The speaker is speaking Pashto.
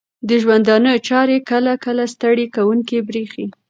د ژوندانه چارې کله کله ستړې کوونکې بریښې